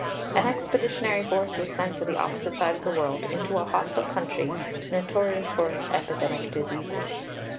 "An expeditionary force was sent to the opposite side of the world, into a hostile country, notorious for its epidemic diseases.